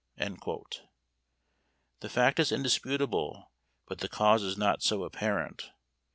The fact is indisputable, but the cause is not so apparent.